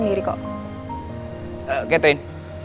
untuk wanita lain